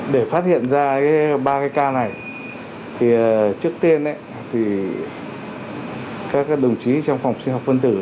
để phát hiện ra ba cái ca này trước tiên các đồng chí trong phòng sinh học phân tử